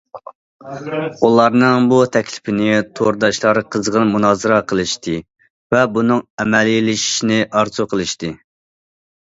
ئۇلارنىڭ بۇ تەكلىپىنى تورداشلار قىزغىن مۇنازىرە قىلىشتى ۋە بۇنىڭ ئەمەلىيلىشىشىنى ئارزۇ قىلىشتى.